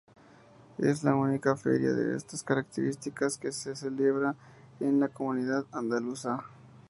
Es la única feria de estas características que se celebra en la comunidad andaluza.